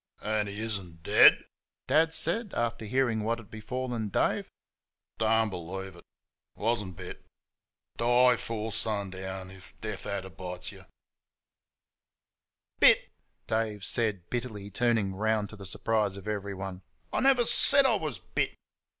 "An' 'e ishn't dead?" Dad said, after hearing what had befallen Dave. "Don' b'leevsh id wuzhn't bit. Die 'fore shun'own ifsh desh ad'er bish 'm." "Bit!" Dave said bitterly, turning round to the surprise of everyone. "I never said I was BIT.